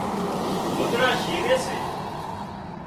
ڳوۮڙان شيوي سي